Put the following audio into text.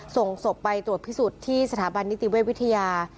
ส่งศพไปตรวจพิสูจน์ที่สถาบันนิติเวชวิทยา